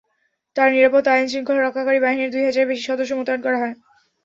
তাঁর নিরাপত্তায় আইনশৃঙ্খলা রক্ষাকারী বাহিনীর দুই হাজারের বেশি সদস্য মোতায়েন করা হয়।